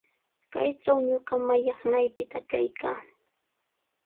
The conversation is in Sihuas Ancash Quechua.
Kaytraw ñuqa mallaqnaypita kaykaa.